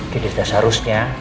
jadi sudah seharusnya